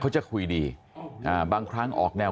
เขาจะคุยดีอ่าบางครั้งออกแนว